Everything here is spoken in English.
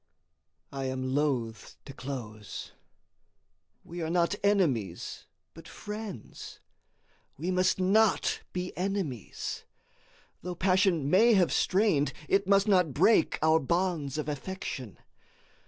I am loathe to close. We are not enemies, but friends. We must not be enemies. Though passion may have strained, it must not break our bonds of affection.